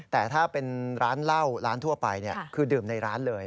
แต่ถ้าเป็นร้านเหล้าร้านทั่วไปคือดื่มในร้านเลย